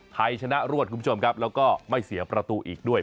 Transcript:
ไทยชนะรวดคุณผู้ชมครับแล้วก็ไม่เสียประตูอีกด้วย